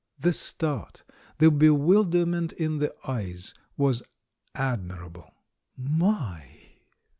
The start, the bewilderment in the eyes, was admirable. "My